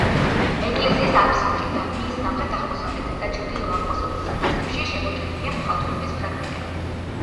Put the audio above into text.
ეკლესიის აფსიდში და მის სამხრეთ-აღმოსავლეთ და ჩრდილო-აღმოსავლეთ სათავსებში შემორჩენილია მოხატულობის ფრაგმენტები.